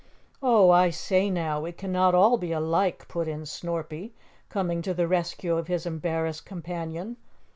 "Oh, I say now, we cannot all be alike," put in Snorpy, coming to the rescue of his embarrassed companion.